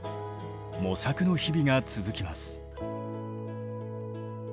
模索の日々が続きます。